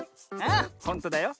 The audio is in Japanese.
ああほんとだよ。